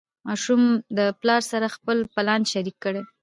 ماشوم له پلار سره خپل پلان شریک کړ